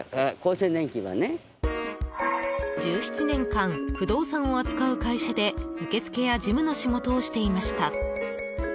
１７年間、不動産を扱う会社で受付や事務の仕事をしていました。